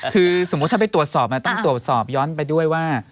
คือสมมุติถ้าไปตรวจสอบต้องตรวจสอบย้อนไปด้วยว่า